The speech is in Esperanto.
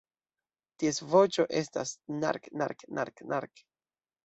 Ties voĉo estas ""nark-nark-nark-nark"".